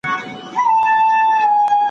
دې ناستو به د خلکو ترمنځ باور او ډاډ پیدا کاوه.